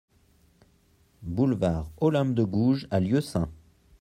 Boulevard Olympe de Gouges à Lieusaint